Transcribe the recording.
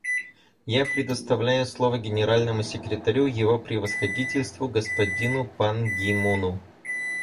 Я предоставляю слово Генеральному секретарю Его Превосходительству господину Пан Ги Муну.